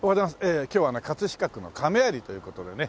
え今日はね飾区の亀有という事でね。